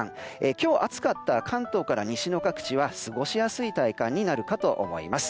今日暑かった関東から西の各地は過ごしやすい体感になるかと思います。